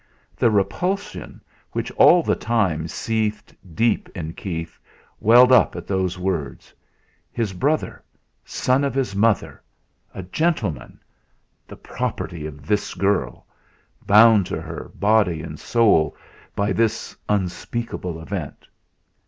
The repulsion which all the time seethed deep in Keith welled up at those words. His brother son of his mother, a gentleman the property of this girl, bound to her, body and soul, by this unspeakable event!